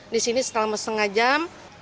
di sini selama setengah jam